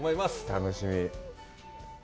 楽しみ！